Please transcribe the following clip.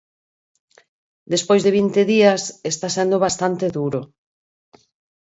Despois de vinte días, está sendo bastante duro.